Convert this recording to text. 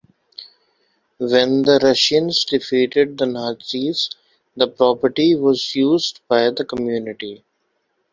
When the Russians defeated the Nazis the property was used by the community.